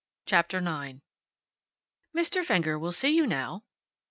CHAPTER NINE "Mr. Fenger will see you now."